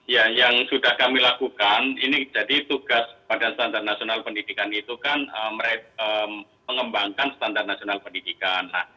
ya yang sudah kami lakukan ini jadi tugas pada standar nasional pendidikan itu kan mengembangkan standar nasional pendidikan